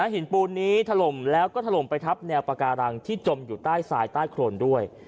ปูนนี้ถล่มแล้วก็ถล่มไปทับแนวปาการังที่จมอยู่ใต้ทรายใต้โครนด้วย